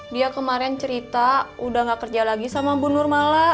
dia kemarin cerita sudah tidak bekerja lagi dengan bu nur